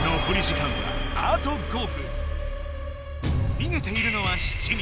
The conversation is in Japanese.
逃げているのは７人。